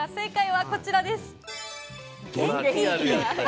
正解はこちらです。